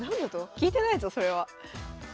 聞いてないぞそれは。